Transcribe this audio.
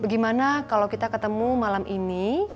bagaimana kalo kita ketemu malam ini